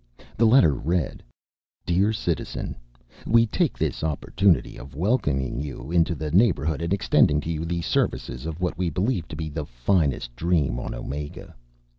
The letter read: Dear Citizen, We take this opportunity of welcoming you into the neighborhood and extending to you the services of what we believe to be the finest Dream on Omega.